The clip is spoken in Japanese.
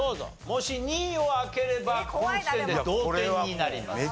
もし２位を開ければこの時点で同点になります。